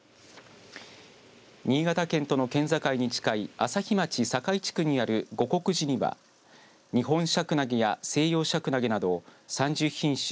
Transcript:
新潟県との県境に近い朝日町境地区にある護國寺には日本シャクナゲや西洋シャクナゲなど３０品種